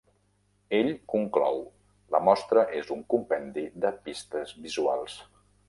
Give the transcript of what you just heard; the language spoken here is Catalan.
Ell conclou: la mostra és un compendi de pistes visuals.